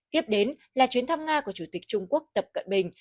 tiếp đến là chuyến thăm nga của chủ tịch trung quốc tập cận bình